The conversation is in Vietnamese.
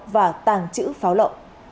và tàng chữ pháo lộ